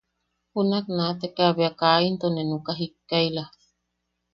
Junak naateka bea kaa into ne nuka jikkaila.